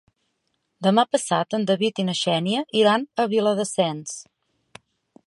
Demà passat en David i na Xènia iran a Viladasens.